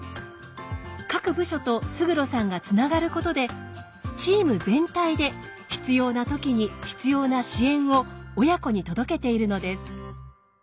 各部署と勝呂さんがつながることでチーム全体で必要な時に必要な支援を親子に届けているのです。